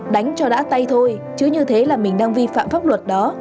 đánh cho đã tay thôi chứ như thế là mình đang vi phạm pháp luật đó